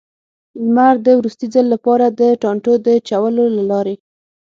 لمر د وروستي ځل لپاره، د ټانټو د چولو له لارې.